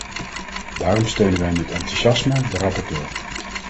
Daarom steunen wij met enthousiasme de rapporteur.